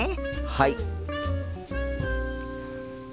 はい！